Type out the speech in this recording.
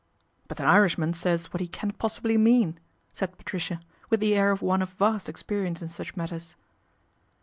But an Irishman says what he cannot possibly can," said Patricia, with the air of one of vast perience in such matters.